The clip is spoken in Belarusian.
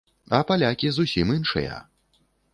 А палякі зусім іншыя.